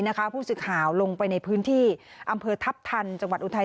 ผู้สื่อข่าวลงไปในพื้นที่อำเภอทัพทันจังหวัดอุทัย